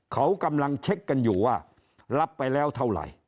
เขากำลังเช็คกันอยู่ว่ารับไปแล้วเท่าไหร่